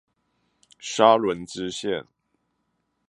沙崙支線